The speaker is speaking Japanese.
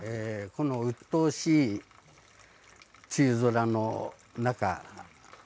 このうっとうしい梅雨空の中